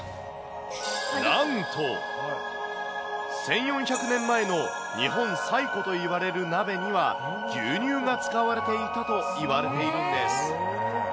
なんと、１４００年前の日本最古といわれる鍋には、牛乳が使われていたといわれているんです。